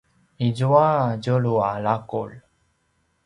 izua a tjelu a laqulj